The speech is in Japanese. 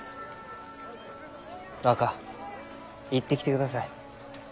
若行ってきてください。